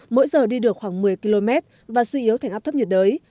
mỗi giờ đi được khoảng một mươi km và suy yếu thành áp thấp nhiệt đới